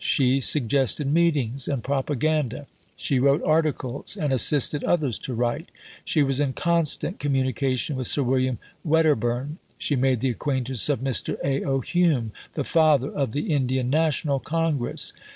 She suggested meetings and propaganda. She wrote articles and assisted others to write. She was in constant communication with Sir William Wedderburn. She made the acquaintance of Mr. A. O. Hume, "the father of the Indian National Congress."